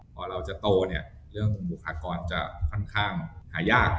พอเราจะโตเนี่ยเรื่องบุคลากรจะค่อนข้างหายาก